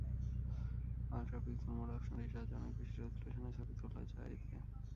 Ultra pixel mode অপশনটির সাহায্যে অনেক বেশি রেজল্যুশনের ছবি তোলা যায় এতে।